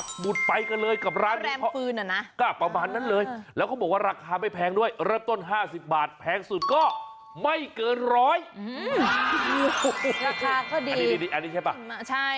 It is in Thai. ใช่ข้าวฟืนข้าวแรมฟืน